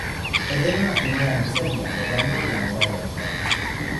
Perdieron la final ante Serbia, logrando la medalla de plata.